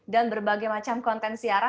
dan berbagai macam konten siaran